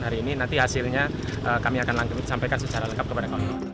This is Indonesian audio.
hari ini nanti hasilnya kami akan sampaikan secara lengkap kepada kami